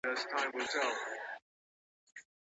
که کوڅې هره ورځ جارو سي، نو دوړې نه پورته کیږي.